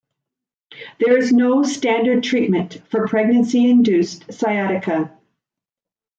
There is no standard treatment for pregnancy-induced sciatica.